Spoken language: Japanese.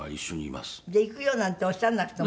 「行くよ」なんておっしゃらなくても。